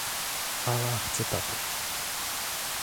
"Ala chce taty."